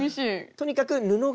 とにかく布がね